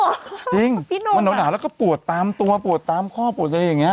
จริงแล้วหรอพี่หนุ่มอะจริงมันหนาวหนาวแล้วก็ปวดตามตัวปวดตามข้อปวดอะไรอย่างเงี้ย